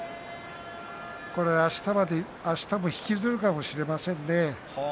これは、あしたも引きずるかもしれませんね。